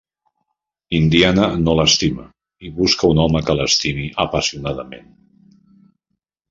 Indiana no l'estima i busca un home que l'estimi apassionadament.